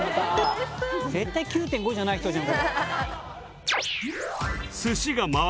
絶対９．５じゃない人じゃん。